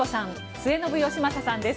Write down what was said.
末延吉正さんです。